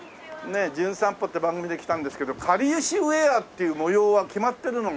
『じゅん散歩』って番組で来たんですけどかりゆしウェアっていう模様は決まってるのがあるんですか？